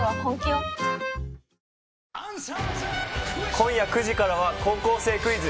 今夜９時からは高校生クイズ。